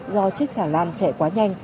do chiếc xà lan chạy quá nhanh